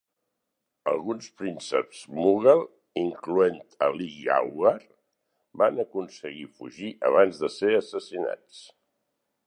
Alguns prínceps Mughal, incloent Ali Gauhar, van aconseguir fugir abans de ser assassinats.